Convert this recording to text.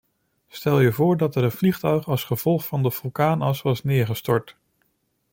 Stel je voor dat er een vliegtuig als gevolg van de vulkaanas was neergestort.